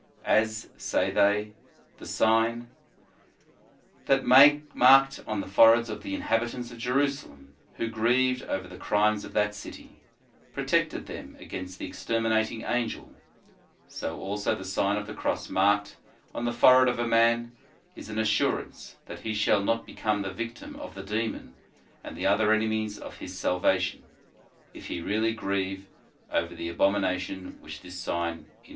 " As," say they, " the sign Thau marked on the fore heads of the inhabitants of Jerusalem who grieved over the crimes of that city, protected them against the exterminating angel, so also the Sign of the Cross marked on the fore head of a man, is an assurance that he shall not become the victim of the demon and the other enemies of his salvation, if he really grieve over the abomination which this sign interdicts."